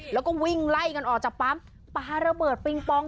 แล้วก็วิ่งไล่กันออกจากปั๊มปลาระเบิดปิงปอง